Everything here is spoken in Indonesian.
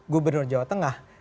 gubernur jawa tengah